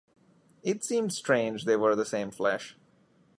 It seemed strange they were the same flesh.